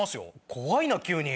怖いな急に！